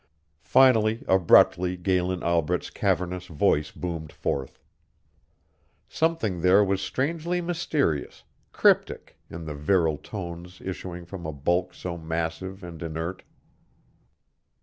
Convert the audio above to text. Finally abruptly Galen Albret's cavernous voice boomed forth. Something there was strangely mysterious, cryptic, in the virile tones issuing from a bulk so massive and inert.